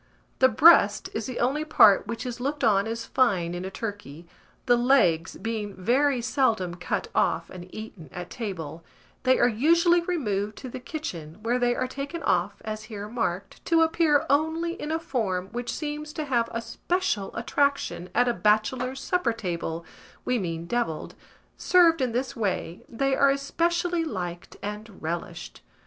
The breast is the only part which is looked on as fine in a turkey, the legs being very seldom cut off and eaten at table: they are usually removed to the kitchen, where they are taken off, as here marked, to appear only in a form which seems to have a special attraction at a bachelor's supper table, we mean devilled: served in this way, they are especially liked and relished.